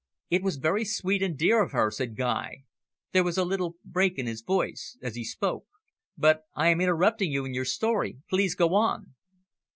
"It was very sweet and dear of her," said Guy. There was a little break in his voice as he spoke. "But I am interrupting you in your story. Please go on."